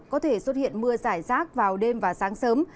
có thể xuất hiện mưa giải rác vào đêm và sáng sớm